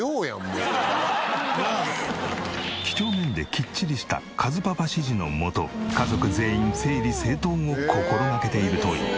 几帳面できっちりしたかずパパ指示のもと家族全員整理整頓を心がけているという。